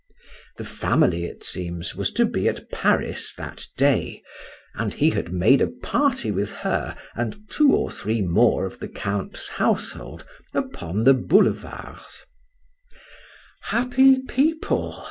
The family, it seems, was to be at Paris that day, and he had made a party with her, and two or three more of the Count's household, upon the boulevards. Happy people!